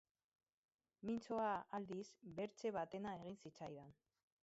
Mintzoa, aldiz, bertze batena egin zitzaidan.